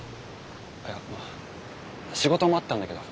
いや仕事もあったんだけど。